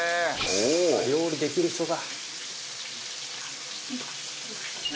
料理できる人だ。